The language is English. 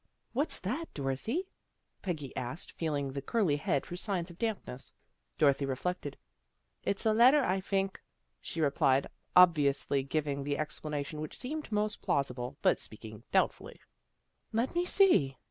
" What's that, Dorothy? " Peggy asked, feel ing the curly head for signs of dampness. Dorothy reflected. " It's a letter, I fink," she replied, obviously giving the explanation which seemed most plausible, but speaking doubtfully. " Let me see!